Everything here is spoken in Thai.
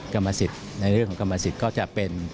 กรรมสิทธิ์ในเรื่องของกรรมสิทธิ์ก็จะเป็น